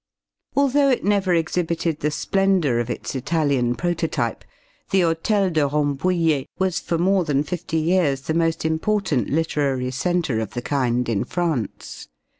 Although it never exhibited the splendor of its Italian prototype, the Hôtel de Rambouillet was for more than fifty years the most important literary center of the kind in France.